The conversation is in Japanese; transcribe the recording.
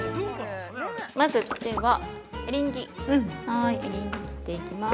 ◆まず、ではエリンギを切っていきます。